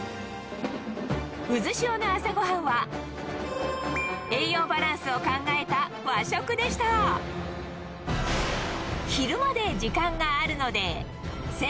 「うずしお」の朝ごはんは栄養バランスを考えた和食でした昼まで時間があるのでうわ！